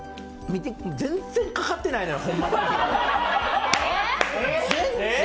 見て、全然かかってないのよ。